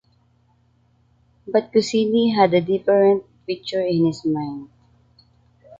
But Goscinny had a different picture in his mind.